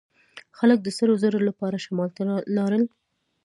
خلک د سرو زرو لپاره شمال ته لاړل.